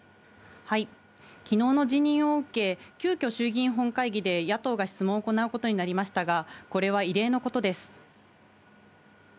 きのうの辞任を受け、急きょ衆議院本会議で野党が質問を行うことになりましたが、これは異例のことです。